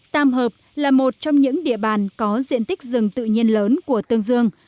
tam hợp là một trong những địa bàn có diện tích rừng tự nhiên lớn của tương dương